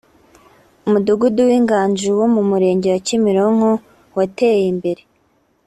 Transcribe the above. Umudugudu w’Inganji wo mu Murenge wa Kimironko wateye imbere